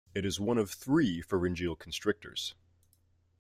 It is one of three pharyngeal constrictors.